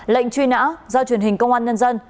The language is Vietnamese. lệnh truy nã do truyền hình công an nhân dân